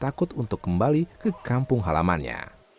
dia berusaha untuk kembali ke kampung halamannya